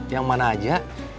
yang mana aja